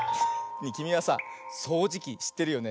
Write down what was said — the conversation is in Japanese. きみはさそうじきしってるよね？